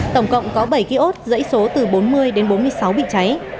tổng cộng có bảy ký ốt dãy số từ bốn mươi đến bốn mươi sáu bị cháy